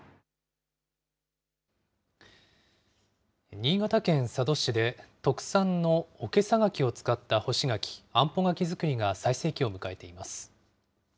新潟県佐渡市で、特産のおけさ柿を使った干し柿、あんぽ柿作りが最盛期を迎えています。